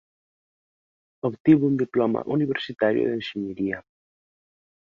Obtivo un diploma universitario de Enxeñería.